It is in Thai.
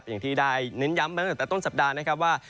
อย่างที่ได้เน้นย้ำมาตั้งแต่ต้นสัปดาห์นะครับว่า